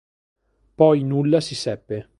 Poi nulla si seppe.